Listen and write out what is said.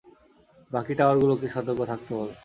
বাকি টাওয়ারগুলোকে সতর্ক থাকতে বলো।